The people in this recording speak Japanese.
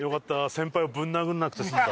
先輩をぶん殴らなくて済んだ。